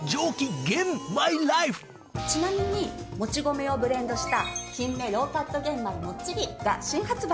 ちなみにもち米をブレンドした金芽ロウカット玄米もっちり！が新発売。